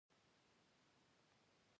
زه دلته وم.